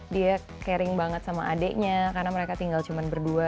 dia caring banget sama adiknya karena mereka tinggal cuma berdua